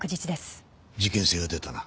事件性が出たな。